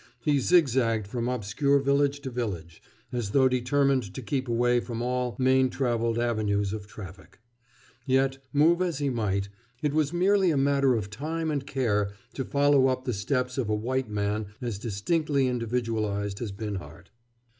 He zigzagged from obscure village to village, as though determined to keep away from all main traveled avenues of traffic. Yet, move as he might, it was merely a matter of time and care to follow up the steps of a white man as distinctly individualized as Binhart.